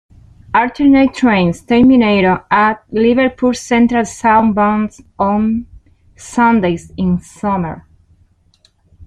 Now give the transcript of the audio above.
Alternate trains terminate at Liverpool Central southbound on Sundays in summer.